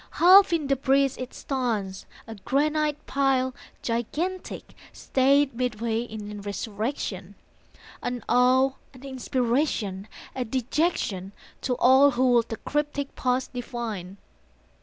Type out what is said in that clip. Half in debris it stands, a granite pile Gigantic, stayed midway in resurrection, An awe, an inspiration, a dejection To all who would the cryptic past divine.